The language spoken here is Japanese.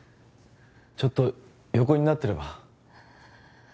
ちょっと横になってれば？